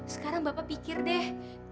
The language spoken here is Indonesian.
sekarang bapak pikir deh